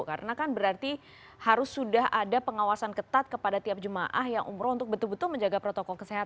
karena kan berarti harus sudah ada pengawasan ketat kepada tiap jemaah yang umroh untuk betul betul menjaga protokol kesehatan